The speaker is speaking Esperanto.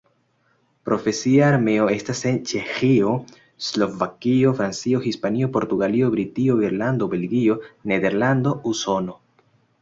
Profesia armeo estas en: Ĉeĥio, Slovakio, Francio, Hispanio, Portugalio, Britio, Irlando, Belgio, Nederlando, Usono.